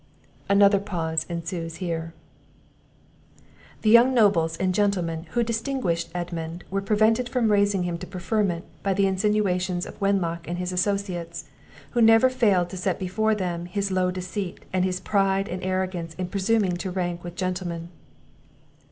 [Another pause ensues here.] The young nobles and gentlemen who distinguished Edmund were prevented from raising him to preferment by the insinuations of Wenlock and his associates, who never failed to set before them his low descent, and his pride and arrogance in presuming to rank with gentlemen.